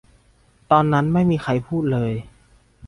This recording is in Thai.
ตอนนั้นไม่มีใครพูดเลย